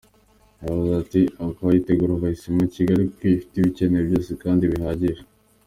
Yavuze ko ‘‘Abayitegura bahisemo Kigali kuko ifite ibikenewe byose kandi bihagije.